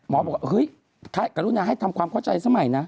บอกว่าเฮ้ยกรุณาให้ทำความเข้าใจสมัยนะ